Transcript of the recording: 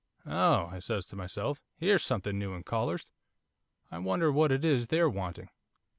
"Oh," I says to myself, "here's something new in callers, I wonder what it is they're wanting."